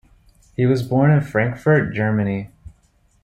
He was born in Frankfurt, Germany.